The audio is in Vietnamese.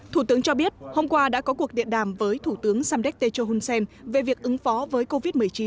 thủ tướng cho biết hôm qua đã có cuộc điện đàm với thủ tướng samdech techo hun sen về việc ứng phó với covid một mươi chín